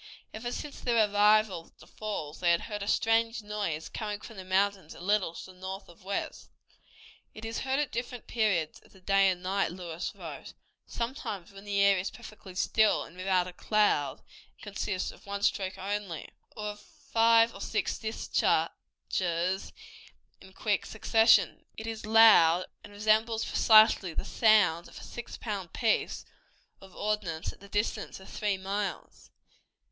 Ever since their arrival at the falls they had heard a strange noise coming from the mountains a little to the north of west. "It is heard at different periods of the day and night," Lewis wrote, "sometimes when the air is perfectly still and without a cloud, and consists of one stroke only, or of five or six discharges in quick succession. It is loud, and resembles precisely the sound of a six pound piece of ordnance at the distance of three miles.